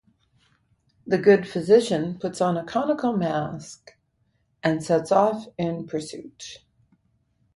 The good physician puts on a conical mask and sets off in pursuit.